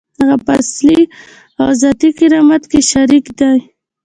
هغه په اصلي او ذاتي کرامت کې شریک دی.